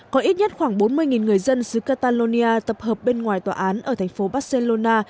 có ít nhất khoảng bốn mươi người dân xứ catalia tập hợp bên ngoài tòa án ở thành phố barcelona